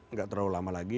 nggak terlalu lama lagi